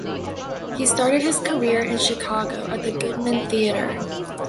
He started his career in Chicago at the Goodman Theatre.